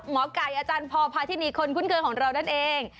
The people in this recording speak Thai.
หมอไก่อาจารย์พอพาทินีคนคุ้นเคยของเรานั่นเอง